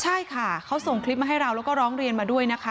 ใช่ค่ะเขาส่งคลิปมาให้เราแล้วก็ร้องเรียนมาด้วยนะคะ